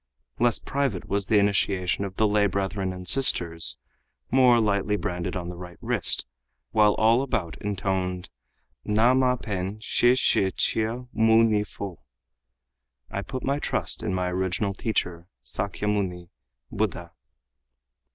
Less private was the initiation of the lay brethren and sisters, more lightly branded on the right wrist, while all about intoned "Na Mah Pen Shih Shih Chia Mou Ni Fo." (I put my trust in my original Teacher, Säkyamuni, Buddha.)